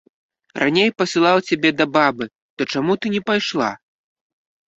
Раней пасылаў цябе да бабы, то чаму ты не пайшла?